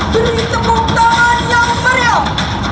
beri tangan yang beriam